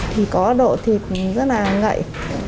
thì có độ thịt rất là ngậy